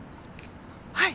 はい。